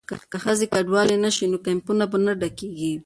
که ښځې کډوالې نه شي نو کیمپونه به نه ډکیږي.